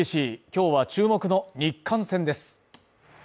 今日は注目の日韓戦です。